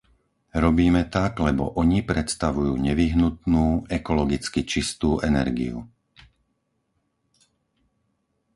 Robíme tak, lebo oni predstavujú nevyhnutnú, ekologicky čistú energiu.